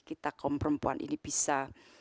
kita kaum perempuan ini bisa